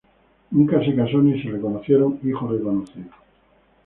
Nunca se casó ni se le conocieron hijos reconocidos.